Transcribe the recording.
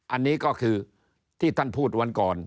อันนี้ก็คือที่ท่านพูดวันก่อน